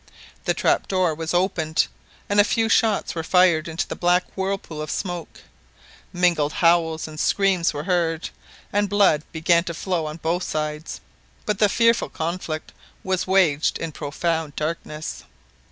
The trap door was opened, and a few shots were fired into the black whirlpool of smoke. Mingled howls and screams were heard, and blood began to flow on both sides; but the fearful conflict was waged in profound darkness.